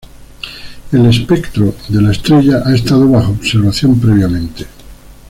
El espectro de la estrella ha estado bajo observación previamente.